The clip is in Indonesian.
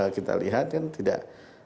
kita lihat kan tidak